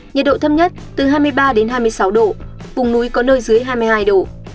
nhiệt độ thấp nhất từ hai mươi ba đến hai mươi sáu độ vùng núi có nơi dưới hai mươi hai độ